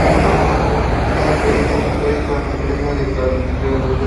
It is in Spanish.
Tiene su origen histórico en el Gremio de Caldereros.